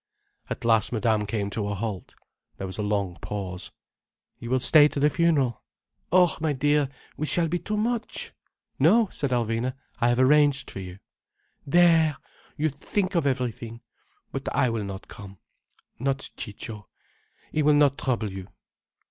At last Madame came to a halt. There was a long pause. "You will stay to the funeral?" said Alvina. "Oh my dear, we shall be too much—" "No," said Alvina. "I have arranged for you—" "There! You think of everything. But I will come, not Ciccio. He will not trouble you."